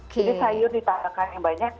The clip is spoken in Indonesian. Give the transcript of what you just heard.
jadi sayur ditambahkan yang banyak